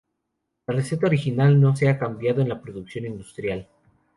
La receta original no se ha cambiado en la producción industrial.